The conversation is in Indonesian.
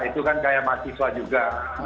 itu kan kayak mahasiswa juga